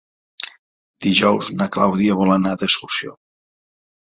Dijous na Clàudia vol anar d'excursió.